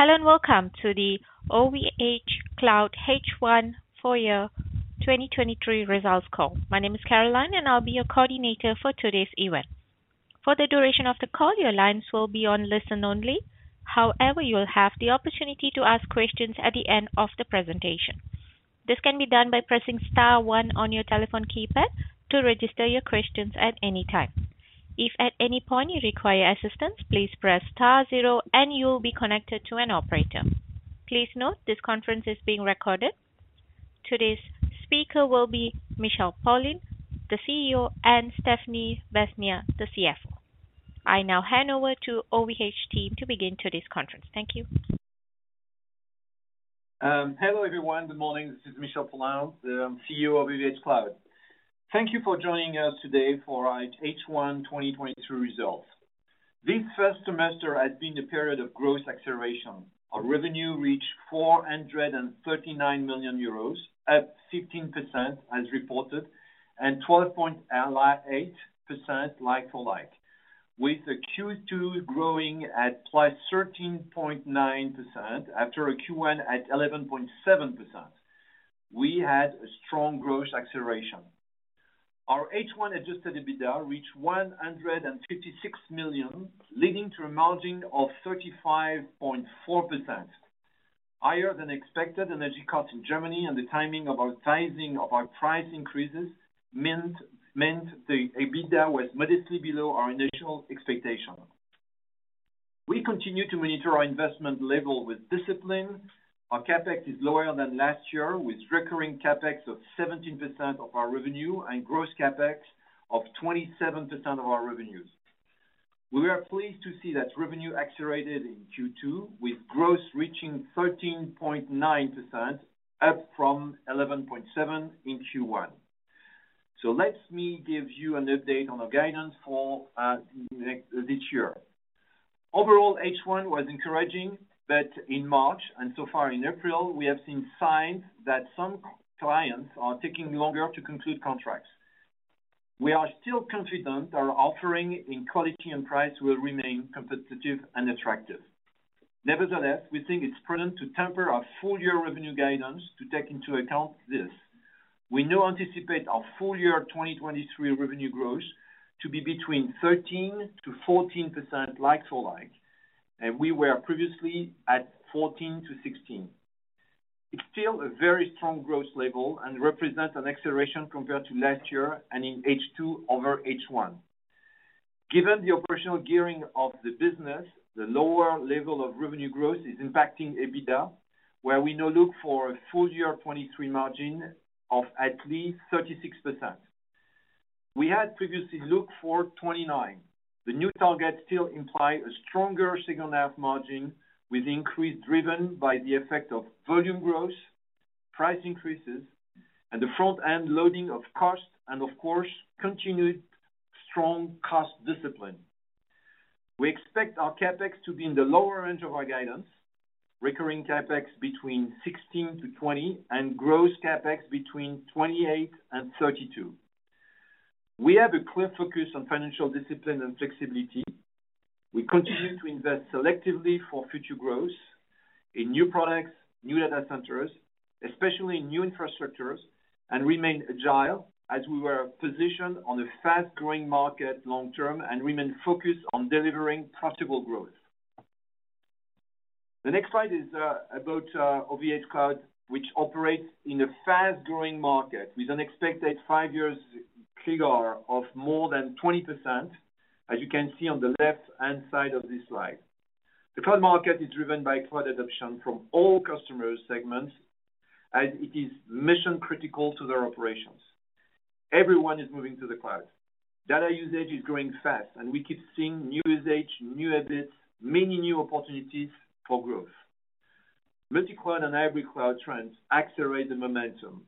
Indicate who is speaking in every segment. Speaker 1: Hello, welcome to the OVHcloud H1 full year 2023 results call. My name is Caroline, and I'll be your coordinator for today's event. For the duration of the call, your lines will be on listen only. However, you'll have the opportunity to ask questions at the end of the presentation. This can be done by pressing star one on your telephone keypad to register your questions at any time. If at any point you require assistance, please press star zero, and you will be connected to an operator. Please note this conference is being recorded. Today's speaker will be Michel Paulin, the CEO, and Stéphanie Besnier, the CFO. I now hand over to OVH team to begin today's conference. Thank you.
Speaker 2: Hello, everyone. Good morning. This is Michel Paulin, the CEO of OVHcloud. Thank you for joining us today for our H1 2023 results. This first semester has been a period of growth acceleration. Our revenue reached 439 million euros, up 15% as reported, and 12.8% like for like. With the Q2 growing at +13.9% after a Q1 at 11.7%, we had a strong growth acceleration. Our H1 adjusted EBITDA reached 156 million, leading to a margin of 35.4%. Higher than expected energy costs in Germany and the timing of our sizing of our price increases meant the EBITDA was modestly below our initial expectation. We continue to monitor our investment level with discipline. Our CapEx is lower than last year, with recurring CapEx of 17% of our revenue and gross CapEx of 27% of our revenues. We are pleased to see that revenue accelerated in Q2, with growth reaching 13.9%, up from 11.7% in Q1. Let me give you an update on our guidance for this year. Overall, H1 was encouraging that in March and so far in April, we have seen signs that some clients are taking longer to conclude contracts. We are still confident our offering in quality and price will remain competitive and attractive. Nevertheless, we think it's prudent to temper our full year revenue guidance to take into account this. We now anticipate our full year 2023 revenue growth to be between 13%-14% like for like, and we were previously at 14%-16%. It's still a very strong growth level and represents an acceleration compared to last year and in H2 over H1. Given the operational gearing of the business, the lower level of revenue growth is impacting EBITDA, where we now look for a full year 2023 margin of at least 36%. We had previously looked for 29%. The new targets still imply a stronger second half margin, with increase driven by the effect of volume growth, price increases, and the front-end loading of costs, and of course, continued strong cost discipline. We expect our CapEx to be in the lower end of our guidance, recurring CapEx between 16 million-20 million, and gross CapEx between 28 million and 32 million. We have a clear focus on financial discipline and flexibility. We continue to invest selectively for future growth in new products, new data centers, especially new infrastructures, and remain agile as we were positioned on a fast-growing market long term and remain focused on delivering profitable growth. The next slide is about OVHcloud, which operates in a fast-growing market with an expected five years CAGR of more than 20%, as you can see on the left-hand side of this slide. The cloud market is driven by cloud adoption from all customer segments, as it is mission-critical to their operations. Everyone is moving to the cloud. Data usage is growing fast, and we keep seeing new usage, new edits, many new opportunities for growth. Multi-cloud and hybrid cloud trends accelerate the momentum.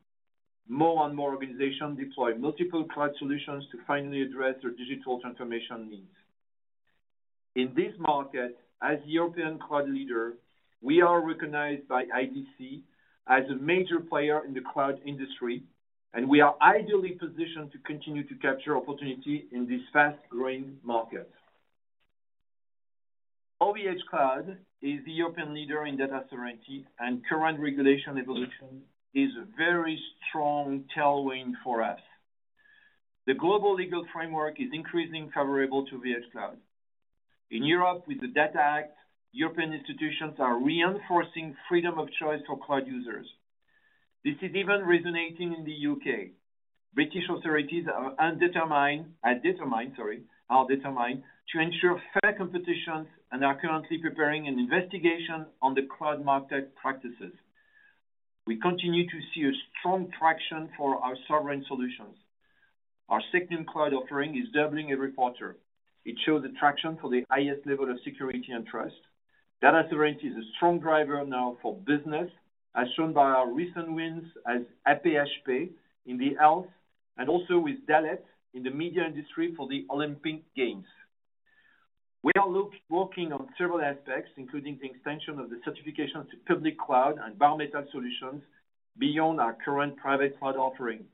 Speaker 2: More and more organizations deploy multiple cloud solutions to finally address their digital transformation needs. In this market, as European cloud leader, we are recognized by IDC as a major player in the cloud industry, and we are ideally positioned to continue to capture opportunity in this fast-growing market. OVHcloud is the European leader in data sovereignty, and current regulation evolution is a very strong tailwind for us. The global legal framework is increasing favorable to OVHcloud. In Europe, with the Data Act, European institutions are reinforcing freedom of choice for cloud users. This is even resonating in the U.K. British authorities are determined to ensure fair competition and are currently preparing an investigation on the cloud market practices. We continue to see a strong traction for our sovereign solutions. Our sovereign cloud offering is doubling every quarter. It shows attraction for the highest level of security and trust. Data sovereignty is a strong driver now for business, as shown by our recent wins as AP-HP in the health and also with Dalet in the media industry for the Olympic Games. We are working on several aspects, including the extension of the certification to Public Cloud and Bare Metal solutions beyond our current Private Cloud offering.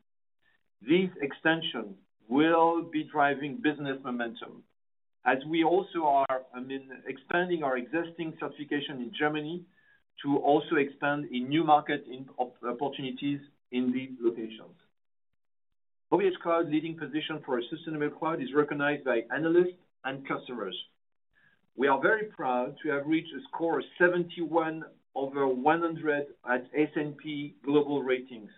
Speaker 2: This extension will be driving business momentum as we also are, I mean, expanding our existing certification in Germany to also expand in new market opportunities in these locations. OVHcloud's leading position for sustainable cloud is recognized by analysts and customers. We are very proud to have reached a score of 71 over 100 at S&P Global Ratings,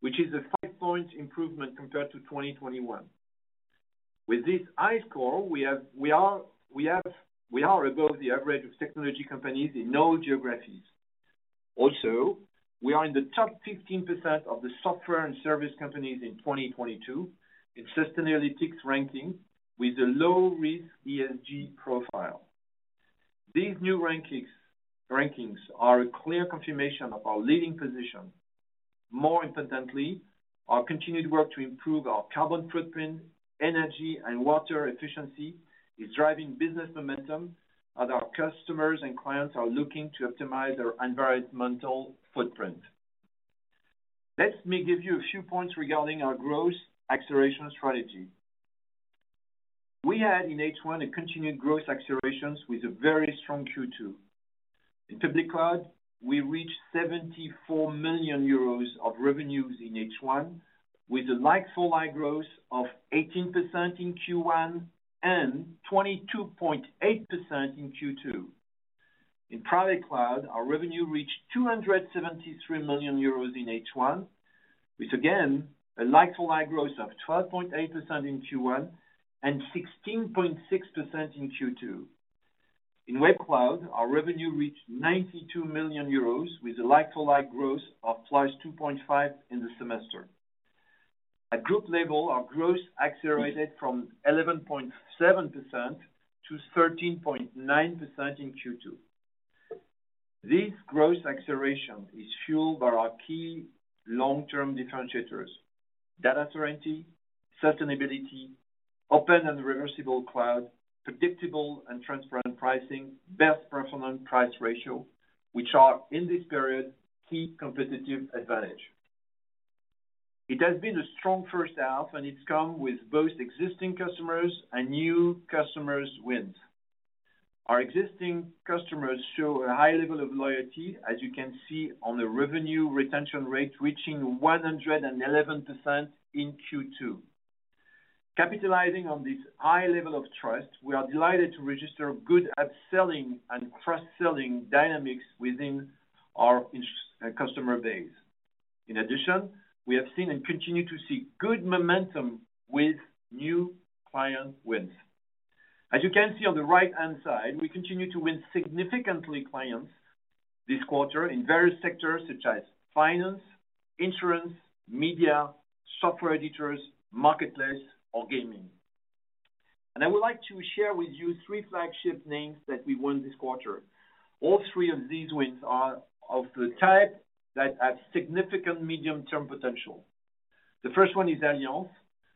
Speaker 2: which is a five-point improvement compared to 2021. With this high score, we are above the average of technology companies in all geographies. We are in the top 15% of the software and service companies in 2022 in Sustainalytics ranking with a low-risk ESG profile. These new rankings are a clear confirmation of our leading position. More importantly, our continued work to improve our carbon footprint, energy, and water efficiency is driving business momentum as our customers and clients are looking to optimize their environmental footprint. Let me give you a few points regarding our growth acceleration strategy. We had in H1 a continued growth accelerations with a very strong Q2. In Public Cloud, we reached 74 million euros of revenues in H1 with a like-for-like growth of 18% in Q1 and 22.8% in Q2. In Private Cloud, our revenue reached 273 million euros in H1, with again, a like-for-like growth of 12.8% in Q1 and 16.6% in Q2. In Web Cloud, our revenue reached 92 million euros with a like-for-like growth of +2.5% in the semester. At group level, our growth accelerated from 11.7% to 13.9% in Q2. This growth acceleration is fueled by our key long-term differentiators: data sovereignty, sustainability, open and reversible cloud, predictable and transparent pricing, best performance-price ratio, which are, in this period, key competitive advantage. It has been a strong first half, and it's come with both existing customers and new customers wins. Our existing customers show a high level of loyalty, as you can see on the revenue retention rate reaching 111% in Q2. Capitalizing on this high level of trust, we are delighted to register good upselling and cross-selling dynamics within our customer base. In addition, we have seen and continue to see good momentum with new client wins. As you can see on the right-hand side, we continue to win significantly clients this quarter in various sectors such as finance, insurance, media, software editors, marketplace or gaming. I would like to share with you three flagship names that we won this quarter. All three of these wins are of the type that have significant medium-term potential. The first one is Allianz,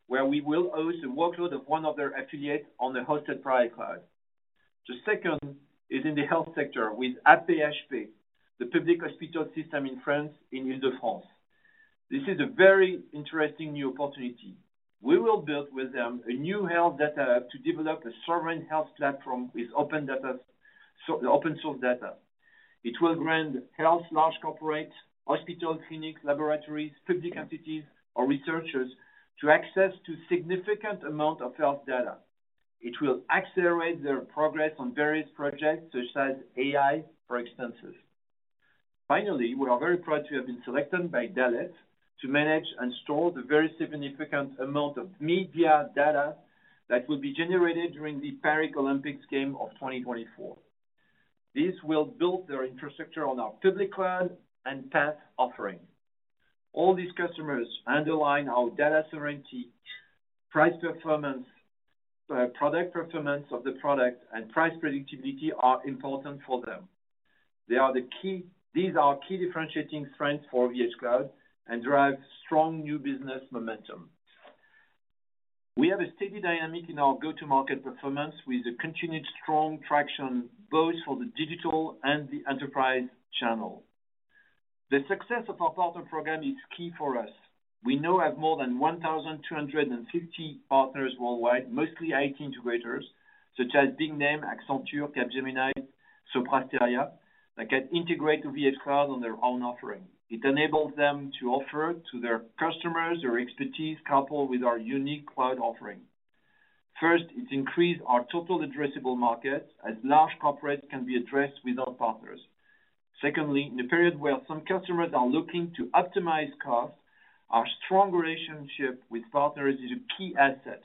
Speaker 2: where we will host a workload of one of their affiliates on the Hosted Private Cloud. The second is in the health sector with AP-HP, the public hospital system in France in Ile-de-France. This is a very interesting new opportunity. We will build with them a new health data app to develop a sovereign health platform with open data, open source data. It will grant health large corporates, hospitals, clinics, laboratories, public entities, or researchers to access to significant amount of health data. It will accelerate their progress on various projects such as AI, for instances. We are very proud to have been selected by Dalet to manage and store the very significant amount of media data that will be generated during the Paris Olympics game of 2024. This will build their infrastructure on our Public Cloud and PaaS offering. These customers underline our data sovereignty, price performance, product performance of the product, and price predictability are important for them. These are key differentiating strengths for OVHcloud and drive strong new business momentum. We have a steady dynamic in our go-to-market performance with a continued strong traction both for the digital and the enterprise channel. The success of our partner program is key for us. We now have more than 1,250 partners worldwide, mostly IT integrators such as big name Accenture, Capgemini, Sopra Steria, that can integrate OVHcloud on their own offering. It enables them to offer to their customers their expertise coupled with our unique cloud offering. First, it increase our total addressable market as large corporates can be addressed with our partners. Secondly, in a period where some customers are looking to optimize costs, our strong relationship with partners is a key asset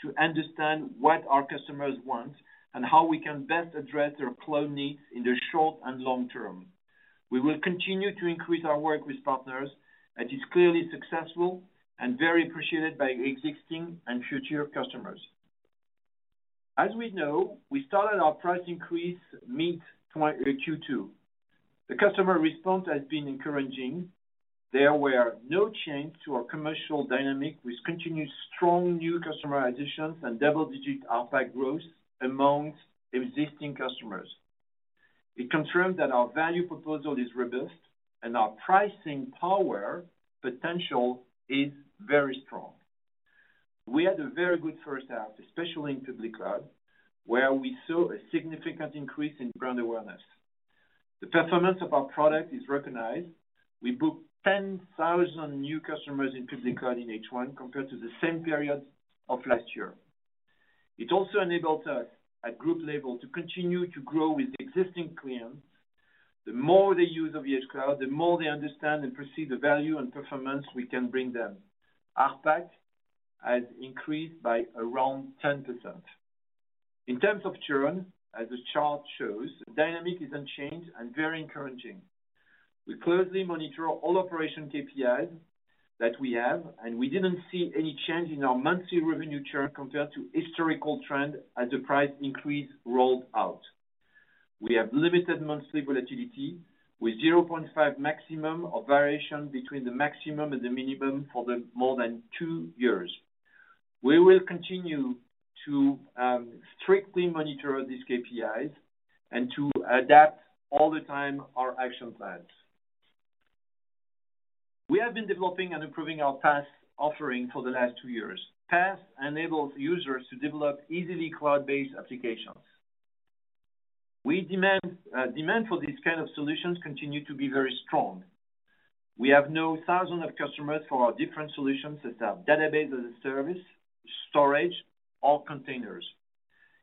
Speaker 2: to understand what our customers want and how we can best address their cloud needs in the short and long term. We will continue to increase our work with partners, and it's clearly successful and very appreciated by existing and future customers. As we know, we started our price increase mid Q2. The customer response has been encouraging. There were no change to our commercial dynamic, with continued strong new customer additions and double-digit APAC growth amongst existing customers. It confirms that our value proposal is robust and our pricing power potential is very strong. We had a very good first half, especially in Public Cloud, where we saw a significant increase in brand awareness. The performance of our product is recognized. We booked 10,000 new customers in Public Cloud in H1 compared to the same period of last year. It also enabled us at group level to continue to grow with existing clients. The more they use of OVHcloud, the more they understand and perceive the value and performance we can bring them. ARPAC has increased by around 10%. In terms of churn, as the chart shows, dynamic is unchanged and very encouraging. We closely monitor all operation KPIs that we have, and we didn't see any change in our monthly revenue churn compared to historical trend as the price increase rolled out. We have limited monthly volatility with 0.5 maximum of variation between the maximum and the minimum for the more than two years. We will continue to strictly monitor these KPIs and to adapt all the time our action plans. We have been developing and improving our PaaS offering for the last two years. PaaS enables users to develop easily cloud-based applications. Demand for these kind of solutions continue to be very strong. We have now thousands of customers for our different solutions such as database as a service, storage, or containers.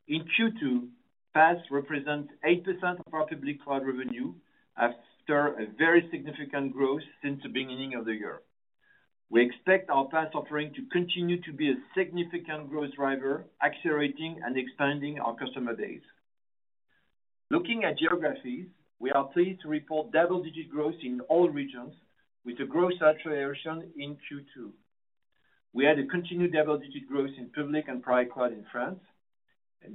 Speaker 2: In Q2, PaaS represents 8% of our Public Cloud revenue after a very significant growth since the beginning of the year. We expect our PaaS offering to continue to be a significant growth driver, accelerating and expanding our customer base. Looking at geographies, we are pleased to report double-digit growth in all regions with a growth acceleration in Q2. We had a continued double-digit growth in Public and Private Cloud in France.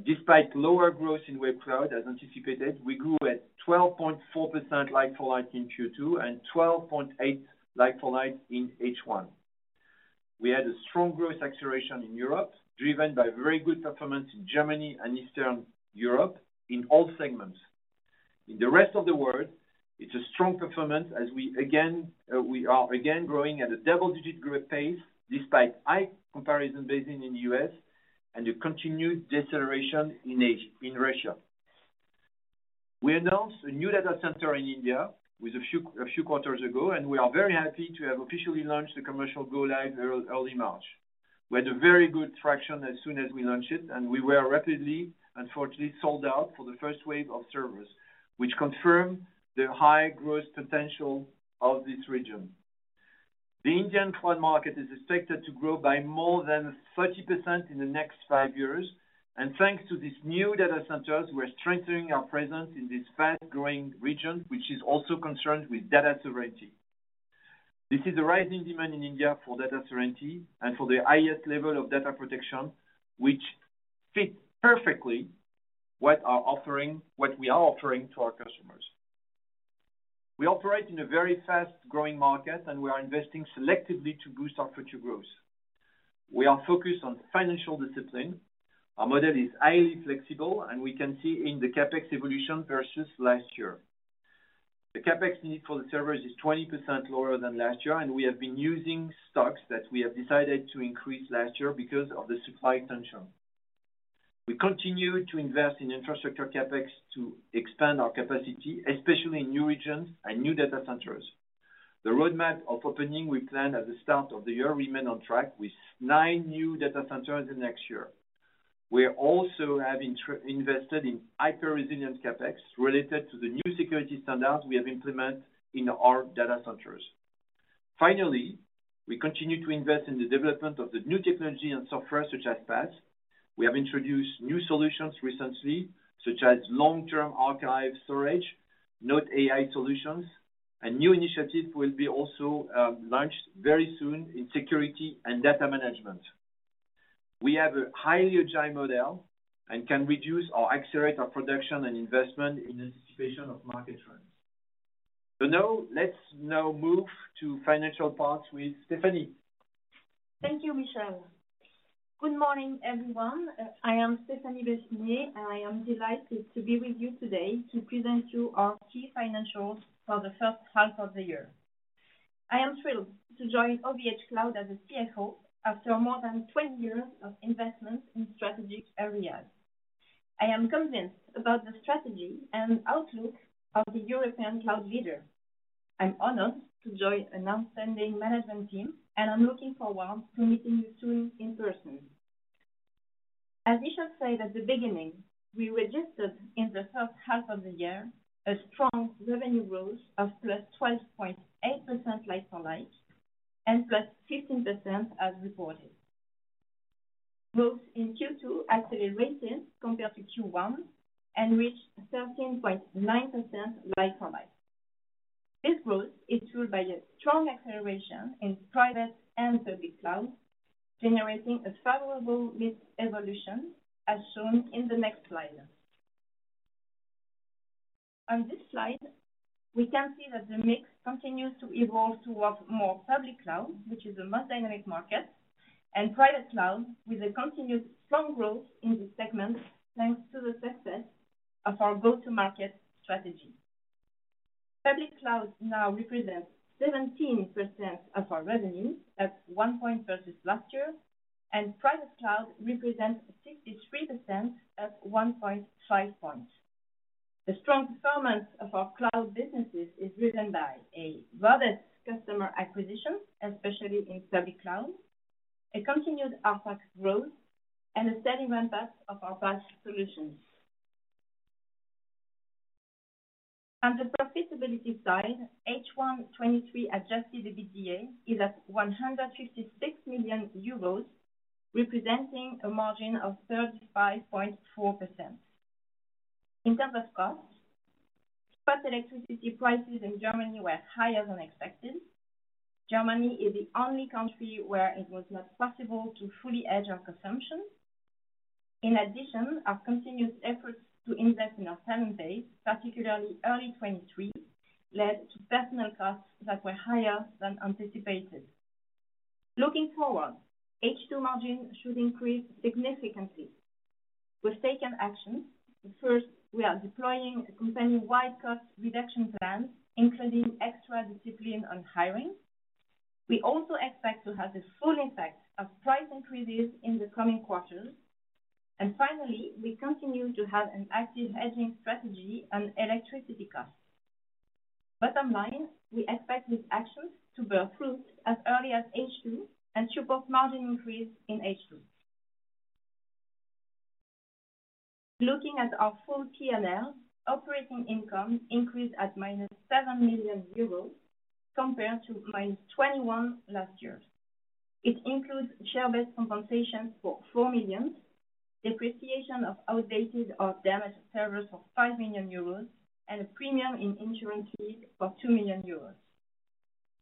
Speaker 2: Despite lower growth in Web Cloud as anticipated, we grew at 12.4% like-for-like in Q2 and 12.8% like-for-like in H1. We had a strong growth acceleration in Europe, driven by very good performance in Germany and Eastern Europe in all segments. In the rest of the world, it's a strong performance as we again, we are again growing at a double-digit growth pace despite high comparison basing in U.S. and a continued deceleration in Russia. We announced a new data center in India a few quarters ago. We are very happy to have officially launched the commercial go live early March. We had a very good traction as soon as we launched it. We were rapidly, unfortunately, sold out for the first wave of servers, which confirm the high growth potential of this region. The Indian cloud market is expected to grow by more than 30% in the next five years. Thanks to these new data centers, we're strengthening our presence in this fast-growing region, which is also concerned with data sovereignty. We see the rising demand in India for data sovereignty and for the highest level of data protection, which fit perfectly what our offering, what we are offering to our customers. We operate in a very fast-growing market. We are investing selectively to boost our future growth. We are focused on financial discipline. Our model is highly flexible. We can see in the CapEx evolution versus last year. The CapEx need for the servers is 20% lower than last year. We have been using stocks that we have decided to increase last year because of the supply tension. We continue to invest in infrastructure CapEx to expand our capacity, especially in new regions and new data centers. The roadmap of opening we planned at the start of the year remain on track with 9 new data centers in next year. We are also have invested in hyper-resilient CapEx related to the new security standards we have implement in our data centers. Finally, we continue to invest in the development of the new technology and software such as PaaS. We have introduced new solutions recently, such as long-term archive storage, node AI solutions, and new initiative will be also launched very soon in security and data management. We have a highly agile model and can reduce or accelerate our production and investment in anticipation of market trends. Let's move to financial part with Stéphanie.
Speaker 3: Thank you, Michel. Good morning, everyone. I am Stéphanie Besnier, and I am delighted to be with you today to present you our key financials for the first half of the year. I am thrilled to join OVHcloud as a CFO after more than 20 years of investment in strategic areas. I am convinced about the strategy and outlook of the European cloud leader. I'm honored to join an outstanding management team, and I'm looking forward to meeting you soon in person. As Michel said at the beginning, we registered in the first half of the year a strong revenue growth of plus 12.8% like-for-like and plus 16% as reported. Growth in Q2 accelerated compared to Q1 and reached 13.9% like-for-like. This growth is fueled by a strong acceleration in Private and Public Cloud, generating a favorable mix evolution, as shown in the next slide. On this slide, we can see that the mix continues to evolve towards more Public Cloud, which is a more dynamic market, and Private Cloud with a continued strong growth in this segment, thanks to the success of our go-to-market strategy. Public Cloud now represents 17% of our revenue at one point versus last year, and Private Cloud represents 63% at 1.5 points. The strong performance of our cloud businesses is driven by a robust customer acquisition, especially in Public Cloud, a continued FX growth, and a steady ramp-up of our PaaS solutions. On the profitability side, H1 2023 adjusted EBITDA is at 156 million euros, representing a margin of 35.4%. In terms of costs, spot electricity prices in Germany were higher than expected. Germany is the only country where it was not possible to fully hedge our consumption. In addition, our continuous efforts to invest in our talent base, particularly early 2023, led to personal costs that were higher than anticipated. Looking forward, H2 margin should increase significantly. We've taken action. First, we are deploying a company-wide cost reduction plan, including extra discipline on hiring. We also expect to have the full effect of price increases in the coming quarters. Finally, we continue to have an active hedging strategy on electricity costs. Bottom line, we expect these actions to bear fruit as early as H2 and support margin increase in H2. Looking at our full P&L, operating income increased at minus 7 million euros compared to minus 21 million last year. It includes share-based compensation for 4 million, depreciation of outdated or damaged servers of 5 million euros, and a premium in insurance fees of 2 million euros.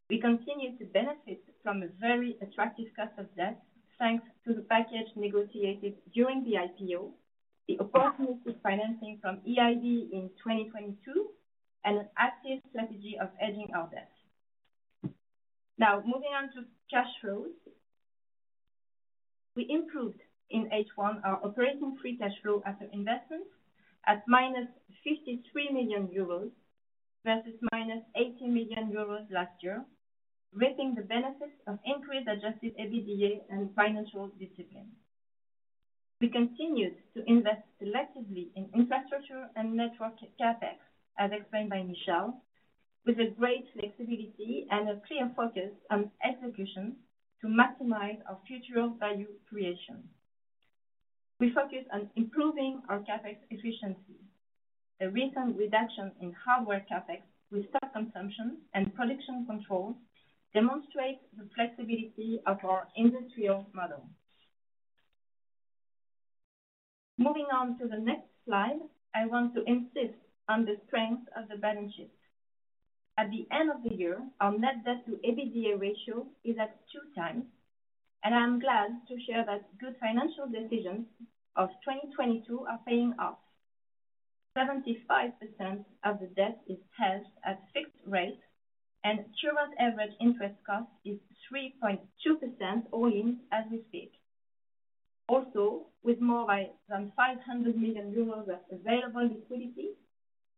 Speaker 3: We continue to benefit from a very attractive cost of debt, thanks to the package negotiated during the IPO, the opportunistic financing from EIB in 2022, and an active strategy of hedging our debt. Moving on to cash flows. We improved in H1 our operating free cash flow after investment at minus 53 million euros versus minus 80 million euros last year, reaping the benefits of increased adjusted EBITDA and financial discipline. We continued to invest selectively in infrastructure and network CapEx, as explained by Michel, with a great flexibility and a clear focus on execution to maximize our future value creation. We focus on improving our CapEx efficiency. The recent reduction in hardware CapEx with stock consumption and production controls demonstrate the flexibility of our industrial model. Moving on to the next slide, I want to insist on the strength of the balance sheet. At the end of the year, our net debt to EBITDA ratio is at 2x, and I am glad to share that good financial decisions of 2022 are paying off. 75% of the debt is held at fixed rate, and current average interest cost is 3.2% all-in as we speak. Also, with more than 500 million euros of available liquidity,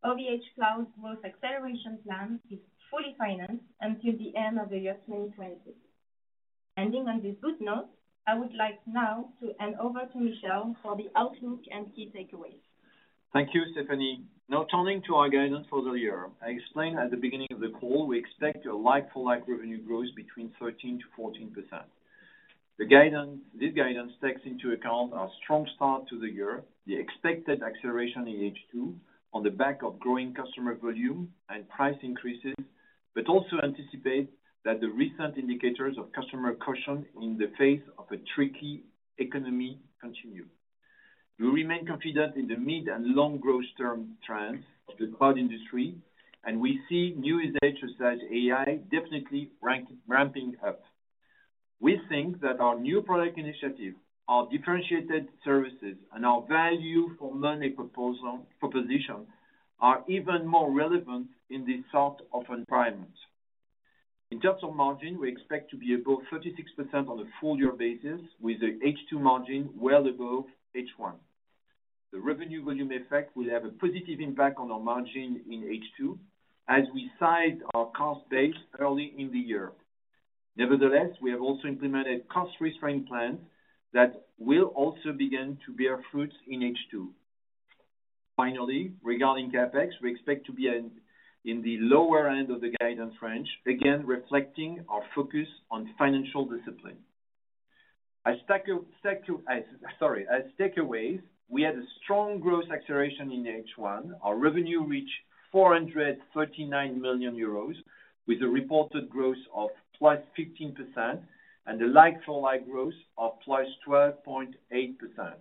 Speaker 3: OVHcloud growth acceleration plan is fully financed until the end of the year 2020. Ending on this good note, I would like now to hand over to Michel for the outlook and key takeaways.
Speaker 2: Thank you, Stéphanie. Turning to our guidance for the year. I explained at the beginning of the call, we expect a like-for-like revenue growth between 13%-14%. This guidance takes into account our strong start to the year, the expected acceleration in H2 on the back of growing customer volume and price increases, also anticipate that the recent indicators of customer caution in the face of a tricky economy continue. We remain confident in the mid and long growth term trends of the cloud industry, we see new usage such as AI definitely ramping up. We think that our new product initiative, our differentiated services, and our value for money proposition are even more relevant in this sort of environment. In terms of margin, we expect to be above 36% on a full year basis, with the H2 margin well above H1. The revenue volume effect will have a positive impact on our margin in H2 as we size our cost base early in the year. Nevertheless, we have also implemented cost restraint plan that will also begin to bear fruit in H2. Finally, regarding CapEx, we expect to be in the lower end of the guidance range, again reflecting our focus on financial discipline. As takeaways, we had a strong growth acceleration in H1. Our revenue reached 439 million euros, with a reported growth of +15% and a like-for-like growth of +12.8%.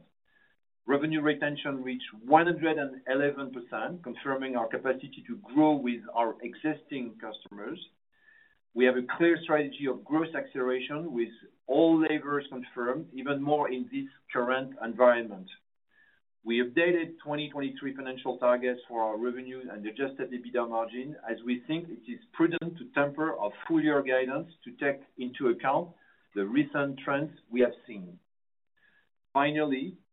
Speaker 2: Revenue retention reached 111%, confirming our capacity to grow with our existing customers. We have a clear strategy of growth acceleration with all levers confirmed even more in this current environment. We updated 2023 financial targets for our revenues and adjusted the EBITDA margin as we think it is prudent to temper our full year guidance to take into account the recent trends we have seen.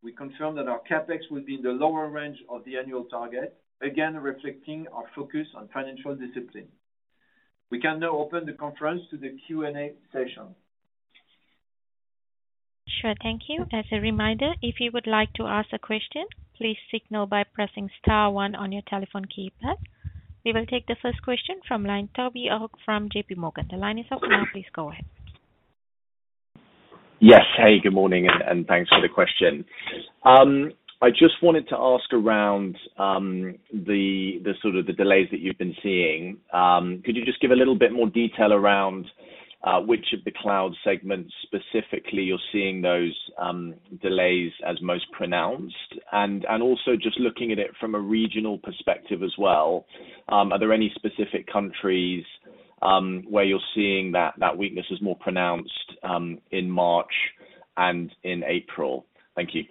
Speaker 2: We confirm that our CapEx will be in the lower range of the annual target, again reflecting our focus on financial discipline. We can now open the conference to the Q&A session.
Speaker 1: Sure. Thank you. As a reminder, if you would like to ask a question, please signal by pressing star one on your telephone keypad. We will take the first question from line Toby Ogg from JPMorgan. The line is open now. Please go ahead.
Speaker 4: Yes. Hey, good morning, and thanks for the question. I just wanted to ask around the sort of the delays that you've been seeing. Could you just give a little bit more detail around which of the cloud segments specifically you're seeing those delays as most pronounced? Also just looking at it from a regional perspective as well, are there any specific countries where you're seeing that weakness is more pronounced in March and in April? Thank you.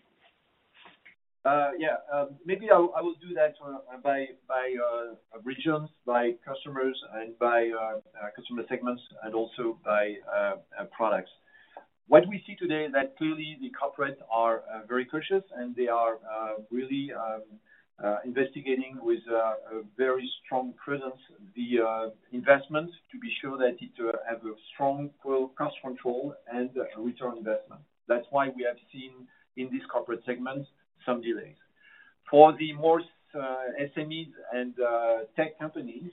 Speaker 2: Yeah. Maybe I will do that by regions, by customers, and by customer segments and also by products. What we see today is that clearly the corporate are very cautious, and they are really investigating with a very strong presence the investment to be sure that it have a strong cost control and a return on investment. That's why we have seen in this corporate segment some delays. For the most SMEs and tech companies,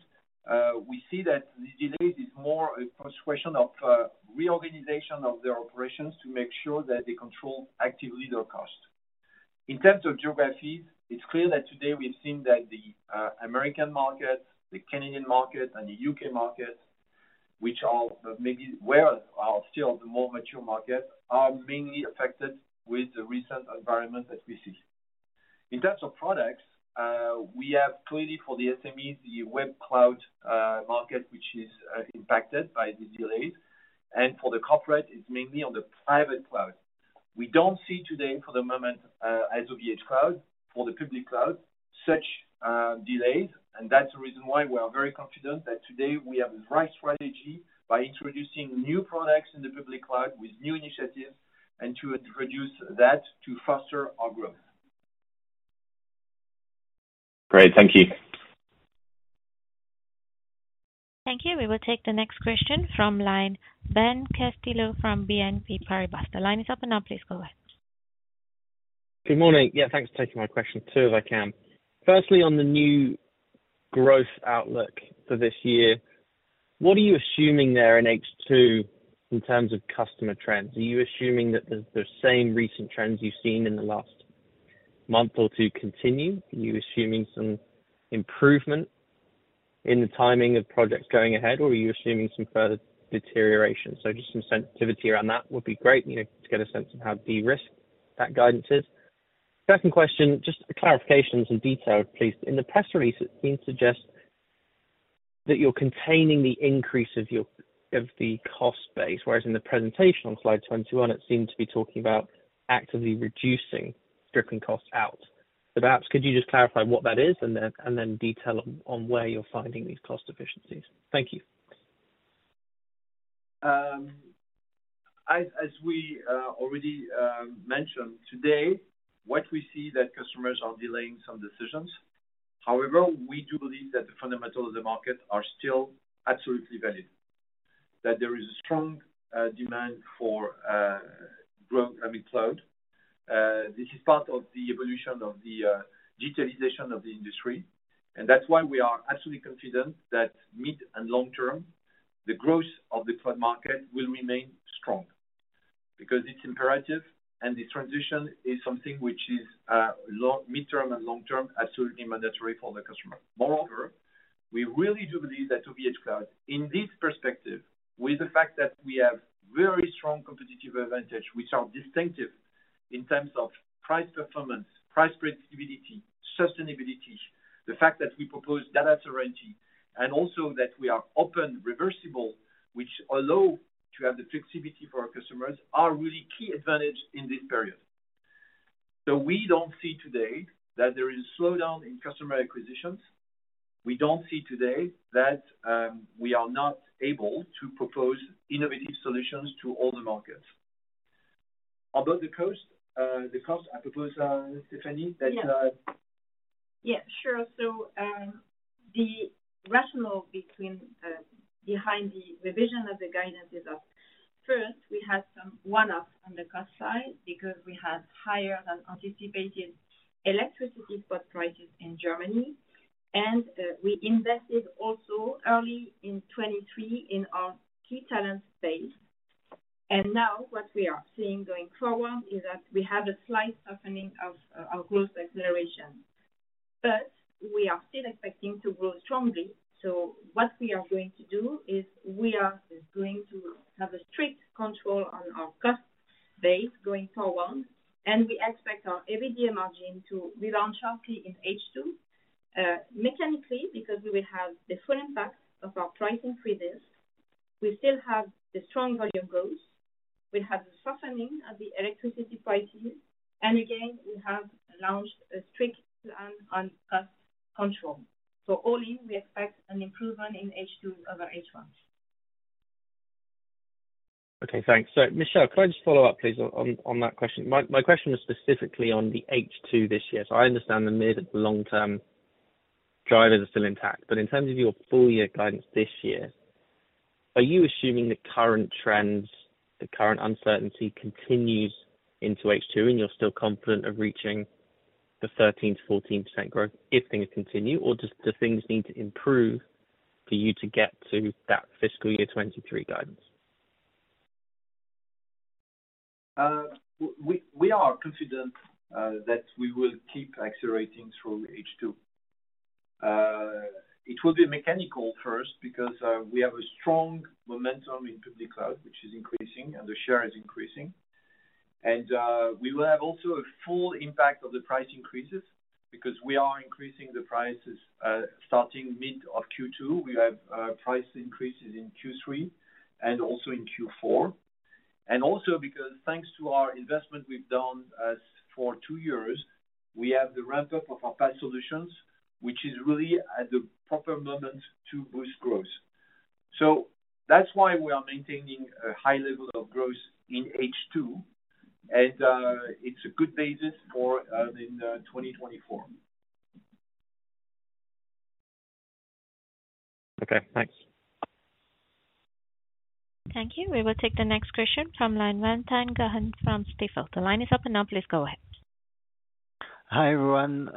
Speaker 2: we see that the delays is more a persuasion of reorganization of their operations to make sure that they control actively their cost. In terms of geographies, it's clear that today we've seen that the American market, the Canadian market, and the UK market, which are maybe where are still the more mature markets, are mainly affected with the recent environment that we see. In terms of products, we have clearly for the SMEs, the Web Cloud market, which is impacted by these delays. For the corporate, it's mainly on the Private Cloud. We don't see today for the moment, as OVHcloud for the Public Cloud such delays, and that's the reason why we are very confident that today we have the right strategy by introducing new products in the Public Cloud with new initiatives and to introduce that to foster our growth.
Speaker 4: Great. Thank you.
Speaker 1: Thank you. We will take the next question from line Ben Castillo from BNP Paribas. The line is open now. Please go ahead.
Speaker 5: Good morning. Yeah, thanks for taking my question. Two, if I can. Firstly, on the new growth outlook for this year, what are you assuming there in H2 in terms of customer trends? Are you assuming that the same recent trends you've seen in the last month or two continue? Are you assuming some improvement in the timing of projects going ahead, or are you assuming some further deterioration? Just some sensitivity around that would be great, you know, to get a sense of how de-risked that guidance is. Second question, just clarifications and detail, please. In the press release, it seems to suggest that you're containing the increase of the cost base, whereas in the presentation on slide 21, it seemed to be talking about actively reducing stripping costs out. Perhaps could you just clarify what that is and then detail on where you're finding these cost efficiencies. Thank you.
Speaker 2: As we already mentioned today, what we see that customers are delaying some decisions. However, we do believe that the fundamentals of the market are still absolutely valid. There is a strong demand for growth, I mean, cloud. This is part of the evolution of the digitalization of the industry, and that's why we are absolutely confident that mid and long term, the growth of the cloud market will remain strong because it's imperative and the transition is something which is mid-term and long-term, absolutely mandatory for the customer. Moreover, we really do believe that OVHcloud, in this perspective, with the fact that we have very strong competitive advantage, which are distinctive in terms of price performance, price predictability, sustainability, the fact that we propose data sovereignty, and also that we are open reversible, which allow to have the flexibility for our customers, are a really key advantage in this period. We don't see today that there is a slowdown in customer acquisitions. We don't see today that we are not able to propose innovative solutions to all the markets. About the cost, I propose, Stéphanie.
Speaker 3: Yeah. Yeah, sure. The rationale behind the revision of the guidance is, first, we had some one-off on the cost side because we had higher than anticipated electricity spot prices in Germany. We invested also early in 2023 in our key talent space. What we are seeing going forward is that we have a slight softening of our growth acceleration. We are still expecting to grow strongly. What we are going to do is we are going to have a strict control on our cost base going forward, and we expect our EBITDA margin to rebound sharply in H2 mechanically because we will have the full impact of our pricing increases. We still have the strong volume growth. We have a softening of the electricity prices, and again, we have launched a strict plan on cost control. All in, we expect an improvement in H2 over H1.
Speaker 5: Okay, thanks. Michel, could I just follow up, please, on that question? My question was specifically on the H2 this year. I understand the mid and long term drivers are still intact, but in terms of your full year guidance this year, are you assuming the current trends, the current uncertainty continues into H2 and you're still confident of reaching the 13%-14% growth if things continue? Do things need to improve for you to get to that fiscal year 2023 guidance?
Speaker 2: We are confident that we will keep accelerating through H2. It will be mechanical first because we have a strong momentum in Public Cloud, which is increasing, and the share is increasing. We will have also a full impact of the price increases because we are increasing the prices starting mid of Q2. We have price increases in Q3 and also in Q4. Also because thanks to our investment we've done for two years, we have the ramp up of our five solutions, which is really at the proper moment to boost growth. That's why we are maintaining a high level of growth in H2 and it's a good basis for in 2024.
Speaker 5: Okay, thanks.
Speaker 1: Thank you. We will take the next question from line one, Valentin Jahan from Stifel. The line is open now please go ahead.
Speaker 6: Hi, everyone.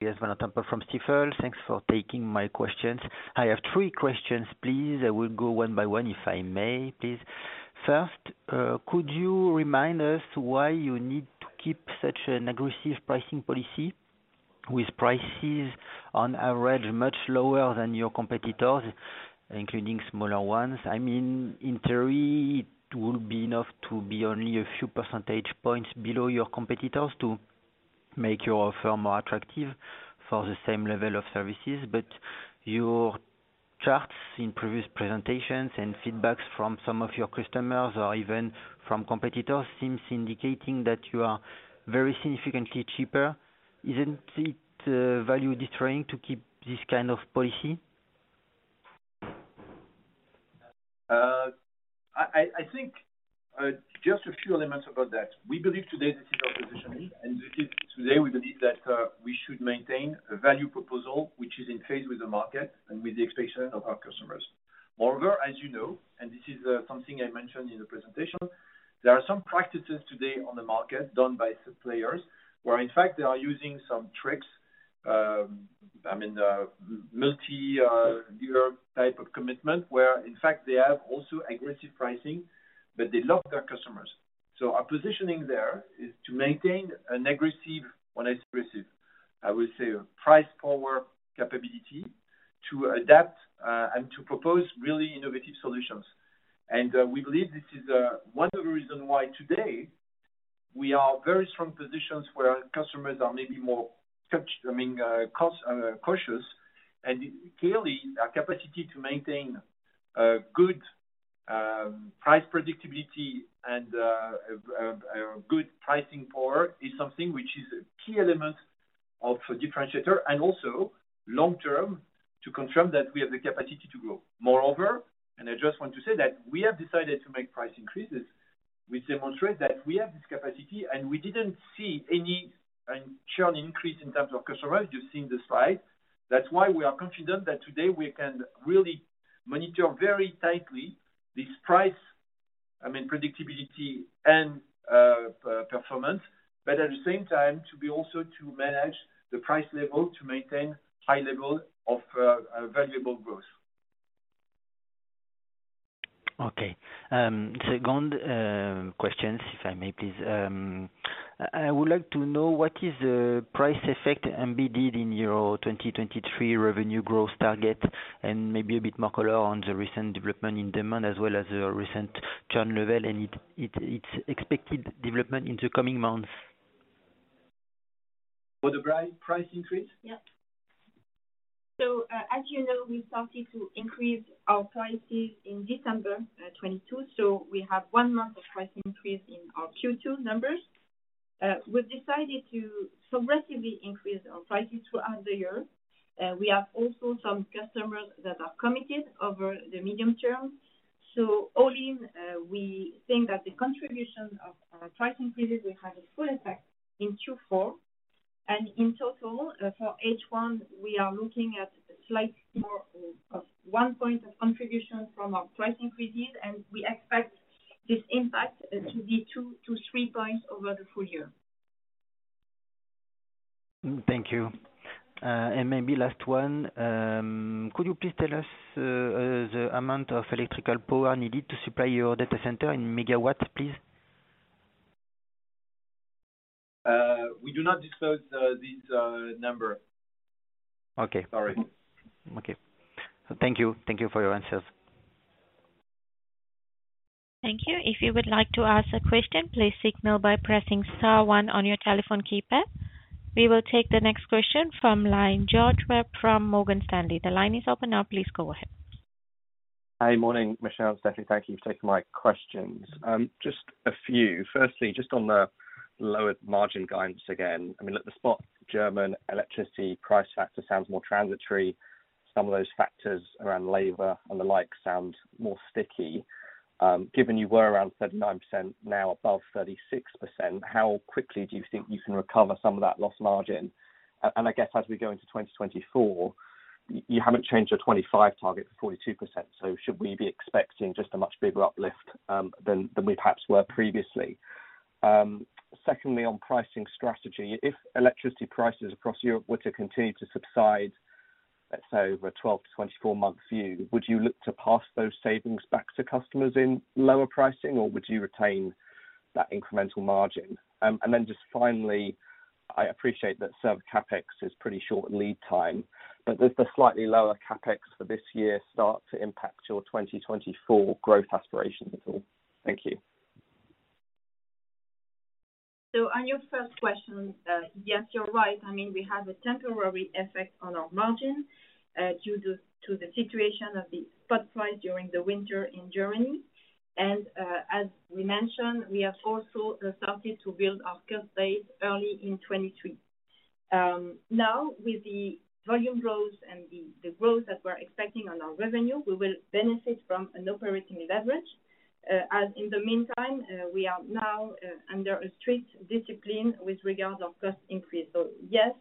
Speaker 6: Yes, Valentin-Paul from Stifel. Thanks for taking my questions. I have three questions, please. I will go one by one, if I may, please. First, could you remind us why you need to keep such an aggressive pricing policy with prices on average much lower than your competitors, including smaller ones? I mean, in theory, it would be enough to be only a few percentage points below your competitors to make your offer more attractive for the same level of services. Your charts in previous presentations and feedbacks from some of your customers or even from competitors seems indicating that you are very significantly cheaper. Isn't it value destroying to keep this kind of policy?
Speaker 2: I think, just a few elements about that. We believe today this is our positioning, and this is today we believe that we should maintain a value proposal which is in phase with the market and with the expectations of our customers. Moreover, as you know, this is something I mentioned in the presentation, there are some practices today on the market done by some players where in fact they are using some tricks, I mean, multi-year type of commitment, where in fact they have also aggressive pricing, but they lock their customers. Our positioning there is to maintain an aggressive, when I say aggressive, I will say price power capability to adapt and to propose really innovative solutions. We believe this is one of the reason why today we are very strong positions where customers are maybe more touch, I mean, cost cautious. Clearly our capacity to maintain a good price predictability and a good pricing power is something which is a key element of a differentiator and also long term to confirm that we have the capacity to grow. Moreover, and I just want to say that we have decided to make price increases, which demonstrate that we have this capacity, and we didn't see any churn increase in terms of customers. You've seen the slide. That's why we are confident that today we can really monitor very tightly this price, I mean, predictability and performance, but at the same time to be also to manage the price level to maintain high level of valuable growth.
Speaker 6: Okay. Second question, if I may, please. I would like to know what is the price effect embedded in your 2023 revenue growth target and maybe a bit more color on the recent development in demand as well as the recent churn level and it's expected development in the coming months.
Speaker 2: For the price increase?
Speaker 3: Yeah. As you know, we started to increase our prices in December 2022. We have one month of price increase in our Q2 numbers. We've decided to progressively increase our prices throughout the year. We have also some customers that are committed over the medium term. All in, we think that the contribution of our price increases will have a full effect in Q4. In total, for H1, we are looking at a slight more of one point of contribution from our price increases, and we expect this impact to be two-three points over the full year.
Speaker 6: Thank you. Maybe last one. Could you please tell us the amount of electrical power needed to supply your data center in megawatts, please?
Speaker 2: We do not disclose this number.
Speaker 6: Okay.
Speaker 2: Sorry.
Speaker 6: Okay. Thank you. Thank you for your answers.
Speaker 1: Thank you. If you would like to ask a question, please signal by pressing star one on your telephone keypad. We will take the next question from line George Webb from Morgan Stanley. The line is open now. Please go ahead.
Speaker 7: Hi. Morning, Michel, Stephanie. Thank you for taking my questions. Just a few. Firstly, just on the lower margin guidance again. I mean, look, the spot German electricity price factor sounds more transitory. Some of those factors around labor and the like sound more sticky. Given you were around 39%, now above 36%, how quickly do you think you can recover some of that lost margin? I guess as we go into 2024, you haven't changed your 2025 target to 42%, should we be expecting just a much bigger uplift than we perhaps were previously? Secondly, on pricing strategy, if electricity prices across Europe were to continue to subside, let's say over a 12-24 month view, would you look to pass those savings back to customers in lower pricing, or would you retain that incremental margin? Just finally, I appreciate that certain CapEx is pretty short in lead time, but does the slightly lower CapEx for this year start to impact your 2024 growth aspirations at all? Thank you.
Speaker 3: On your first question, yes, you're right. I mean, we have a temporary effect on our margin, due to the situation of the spot price during the winter in Germany. As we mentioned, we have also started to build our skill base early in 2023. Now, with the volume growth and the growth that we're expecting on our revenue, we will benefit from an operating leverage. As in the meantime, we are now under a strict discipline with regard of cost increase. Yes,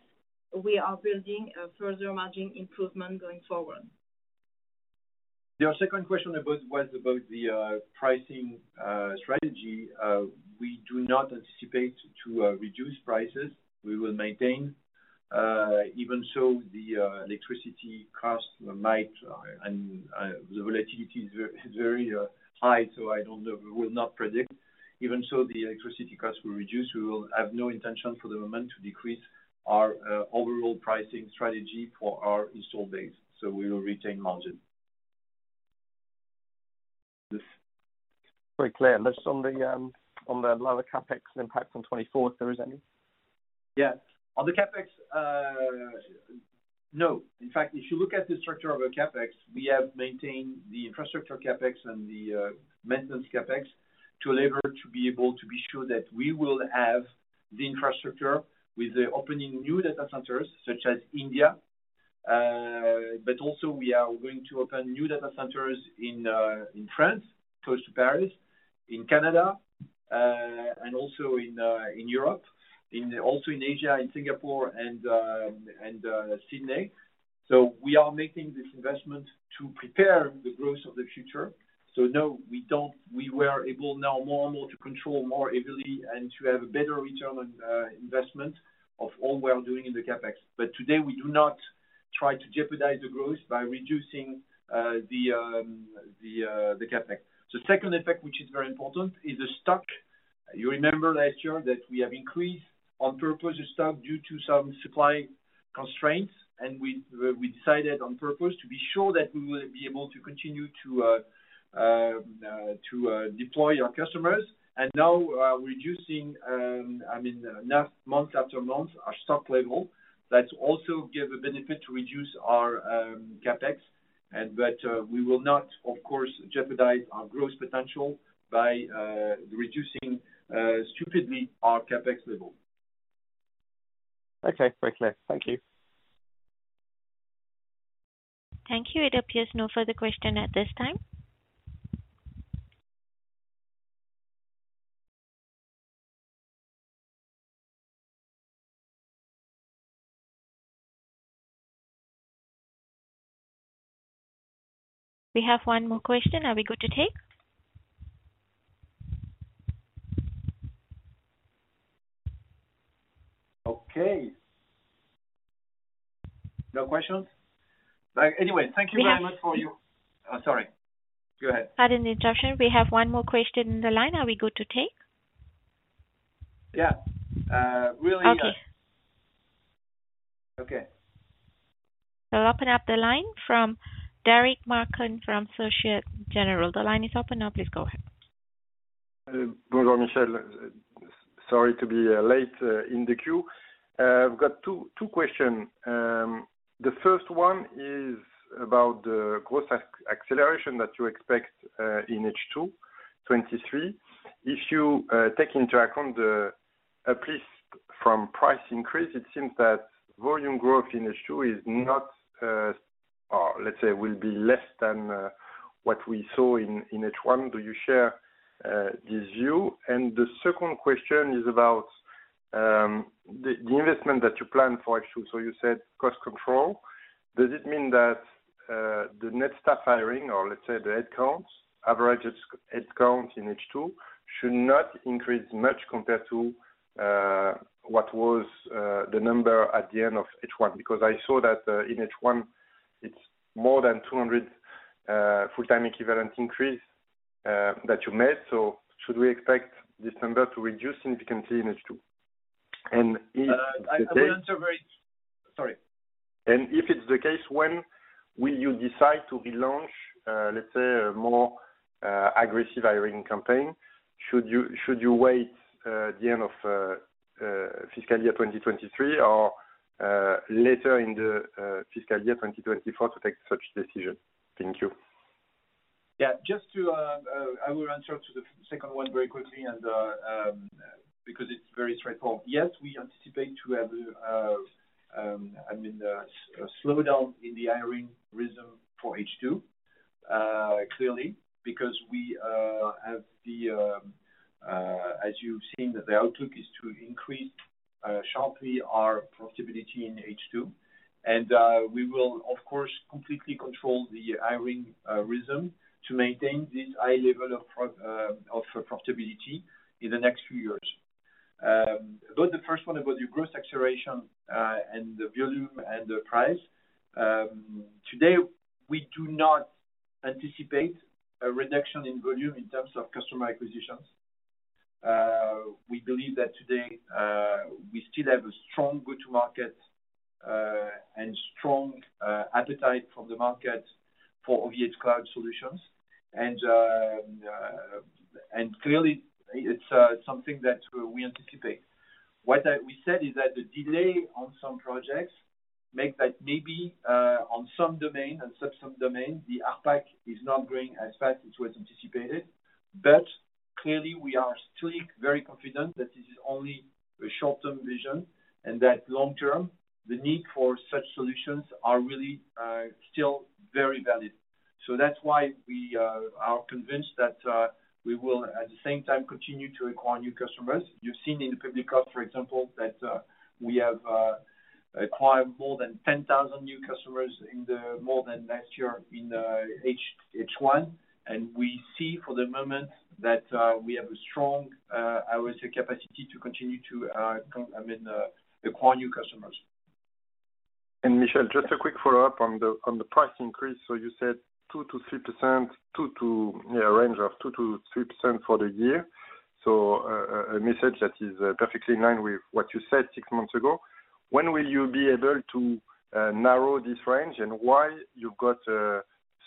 Speaker 3: we are building a further margin improvement going forward.
Speaker 2: Your second question was about the pricing strategy. We do not anticipate to reduce prices. We will maintain. Even so, the electricity costs might and the volatility is very high. I don't know. We will not predict. Even so, the electricity costs will reduce. We will have no intention for the moment to decrease our overall pricing strategy for our installed base. We will retain margin.
Speaker 7: Very clear. Just on the lower CapEx impact on 2024, if there is any.
Speaker 2: On the CapEx, no. In fact, if you look at the structure of our CapEx, we have maintained the infrastructure CapEx and the maintenance CapEx to a level to be able to be sure that we will have the infrastructure with the opening new data centers, such as India. Also we are going to open new data centers in France, close to Paris, in Canada, and also in Europe, also in Asia, in Singapore and Sydney. We are making this investment to prepare the growth of the future. No, we were able now more and more to control more easily and to have a better return on investment of all we are doing in the CapEx. Today we do not try to jeopardize the growth by reducing the CapEx. The second effect, which is very important, is the stock. You remember last year that we have increased on purpose the stock due to some supply constraints, and we decided on purpose to be sure that we will be able to continue to deploy our customers. Now we are reducing, I mean, month after month our stock level. That also give a benefit to reduce our CapEx and but, we will not, of course, jeopardize our growth potential by reducing stupidly our CapEx level.
Speaker 7: Okay. Very clear. Thank you.
Speaker 1: Thank you. It appears no further question at this time. We have one more question, are we good to take?
Speaker 2: Okay. No questions? Like, anyway, thank you very much for your-
Speaker 1: We have-
Speaker 2: Oh, sorry. Go ahead.
Speaker 1: Pardon the interruption. We have one more question in the line. Are we good to take?
Speaker 2: Yeah. Really.
Speaker 1: Okay.
Speaker 2: Okay.
Speaker 1: Open up the line from Derric Marcon from Société Générale. The line is open now. Please go ahead.
Speaker 8: Bonjour, Michel. Sorry to be late in the queue. I've got two question. The first one is about the growth acceleration that you expect in H2 2023. If you take into account the, at least from price increase, it seems that volume growth in H2 is not, or let's say will be less than what we saw in H1. Do you share this view? The second question is about the investment that you plan for H2. You said cost control. Does it mean that the net staff hiring or let's say the headcounts, average headcounts in H2 should not increase much compared to what was the number at the end of H1? I saw that, in H1 it's more than 200 full-time equivalent increase, that you made. Should we expect this number to reduce significantly in H2?
Speaker 2: I will answer sorry.
Speaker 8: If it's the case, when will you decide to relaunch, let's say a more aggressive hiring campaign? Should you wait the end of fiscal year 2023 or later in the fiscal year 2024 to take such decision? Thank you.
Speaker 2: Just to, I will answer to the second one very quickly and because it's very straightforward. We anticipate to have, I mean, a slowdown in the hiring rhythm for H2, clearly, because we have, as you've seen, that the outlook is to increase sharply our profitability in H2. We will, of course, completely control the hiring rhythm to maintain this high level of profitability in the next few years. About the first one, about the growth acceleration, and the volume and the price, today, we do not anticipate a reduction in volume in terms of customer acquisitions. We believe that today, we still have a strong go-to-market and strong appetite from the market for OVHcloud solutions. Clearly, it's something that we anticipate. We said is that the delay on some projects make that maybe on some domain, on some domain, the ARPAC is not growing as fast as was anticipated. Clearly, we are still very confident that this is only a short-term vision, and that long-term, the need for such solutions are really still very valid. That's why we are convinced that we will, at the same time, continue to acquire new customers. You've seen in the public cloud, for example, that we have acquired more than 10,000 new customers more than last year in H1, and we see for the moment that we have a strong, I would say, capacity to continue to I mean acquire new customers.
Speaker 8: Michel, just a quick follow-up on the price increase. You said a range of 2%-3% for the year. A message that is perfectly in line with what you said six months ago. When will you be able to narrow this range, and why you got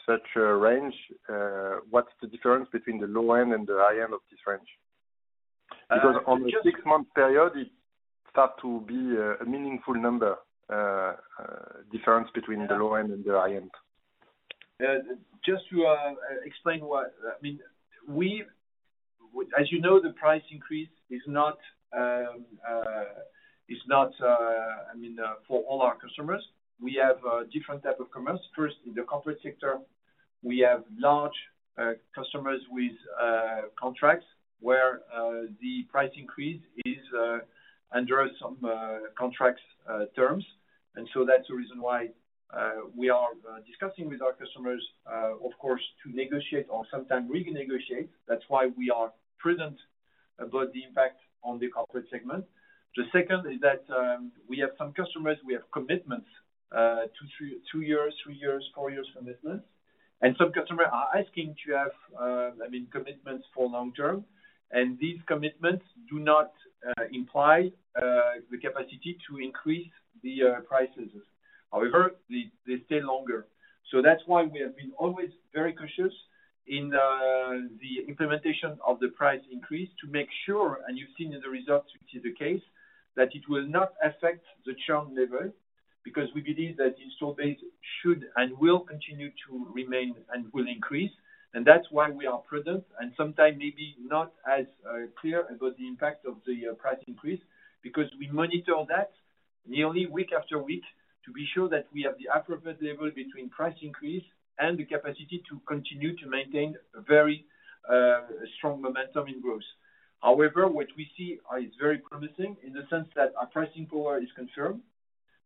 Speaker 8: such a range? What's the difference between the low end and the high end of this range?
Speaker 2: Uh, just-
Speaker 8: On the six-month period, it starts to be a meaningful number, difference between the low end and the high end.
Speaker 2: Just to explain why. I mean, as you know, the price increase is not, I mean, for all our customers. We have different type of customers. First, in the corporate sector, we have large customers with contracts where the price increase is under some contracts terms. That's the reason why we are discussing with our customers, of course, to negotiate or sometimes renegotiate. That's why we are prudent about the impact on the corporate segment. The second is that we have some customers, we have commitments, two, three, two years, three years, four years commitments. Some customers are asking to have, I mean, commitments for long term, and these commitments do not imply the capacity to increase the prices. However, they stay longer. That's why we have been always very cautious in the implementation of the price increase to make sure, and you've seen in the results which is the case, that it will not affect the churn level, because we believe that the install base should and will continue to remain and will increase. That's why we are prudent, and sometimes maybe not as clear about the impact of the price increase, because we monitor that nearly week after week to be sure that we have the appropriate level between price increase and the capacity to continue to maintain a very strong momentum in growth. However, what we see is very promising in the sense that our pricing power is confirmed.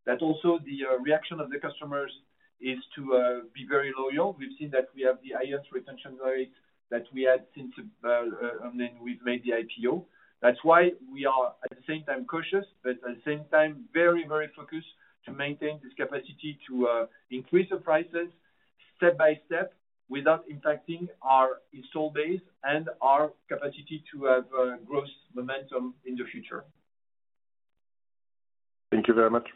Speaker 2: That also, the reaction of the customers is to be very loyal. We've seen that we have the highest retention rates that we had since, I mean, we've made the IPO. That's why we are, at the same time, cautious, but at the same time very focused to maintain this capacity to increase the prices step by step without impacting our install base and our capacity to have growth momentum in the future.
Speaker 8: Thank you very much.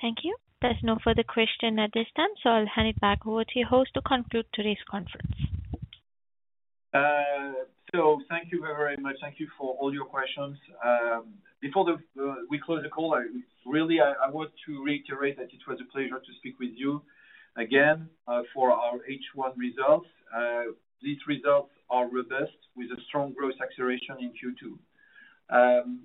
Speaker 1: Thank you. There's no further question at this time, I'll hand it back over to you host to conclude today's conference.
Speaker 2: Thank you very, very much. Thank you for all your questions. Before we close the call, I really want to reiterate that it was a pleasure to speak with you again for our H1 results. These results are robust with a strong growth acceleration in Q2.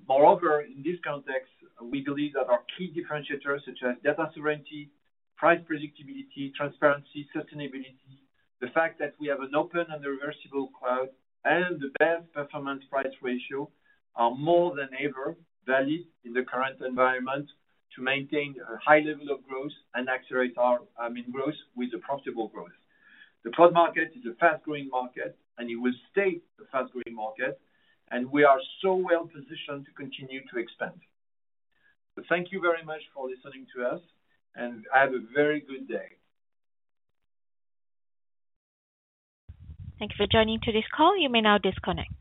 Speaker 2: Moreover, in this context, we believe that our key differentiators such as data sovereignty, price predictability, transparency, sustainability, the fact that we have an open and reversible cloud, and the best performance price ratio are more than ever valid in the current environment to maintain a high level of growth and accelerate our in growth with the profitable growth. The cloud market is a fast-growing market, and it will stay a fast-growing market, and we are so well positioned to continue to expand. Thank you very much for listening to us, and have a very good day.
Speaker 1: Thank you for joining today's call. You may now disconnect.